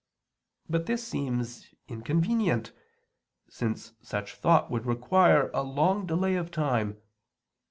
But this seems inconvenient, since such thought would require a long delay of time.